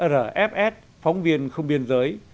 rfs phóng viên không biên giới